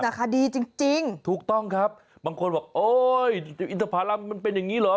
ราคาดีจริงถูกต้องครับบางคนบอกโอ๊ยอินทภารัมมันเป็นอย่างนี้เหรอ